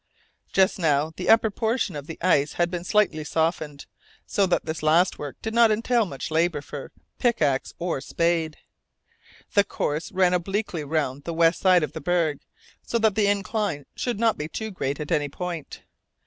Just now the upper portion of the ice had been slightly softened, so that this last work did not entail much labour for pickaxe or spade. The course ran obliquely round the west side of the berg, so that the incline should not be too great at any point.